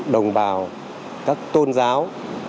đồng bào các tôn giáo